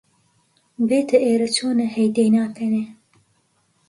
بێتە ئێرە، چۆنە هەی دێی ناکەنێ!؟